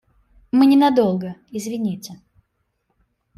Мы ненадолго, извините.